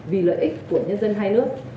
vì lợi ích của nhân dân hai nước